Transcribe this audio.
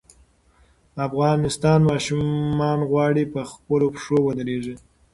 د افغانستان ماشومان غواړي چې په خپلو پښو ودرېږي.